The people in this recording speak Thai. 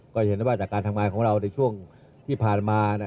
ก็เห็นได้ว่าจากการทำงานของเราในช่วงที่ผ่านมา